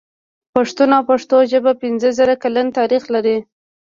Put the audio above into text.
پښتون او پښتو ژبه پنځه زره کلن تاريخ لري.